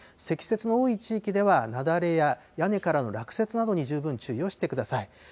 積雪の多い地域では、雪崩や屋根からの落雪などに十分注意をしてください。